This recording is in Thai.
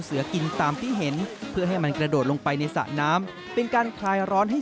เสือโครงและเสือชีตาได้เป็นอย่างดีอีกด้วย